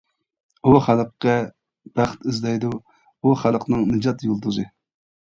ئۇ خەلققە بەخت ئىزدەيدۇ، ئۇ خەلقنىڭ نىجات يۇلتۇزى.